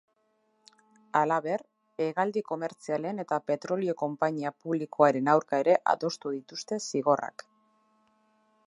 Halaber, hegaldi komertzialen eta petrolio konpainia publikoaren aurka ere adostu dituzte zigorrak.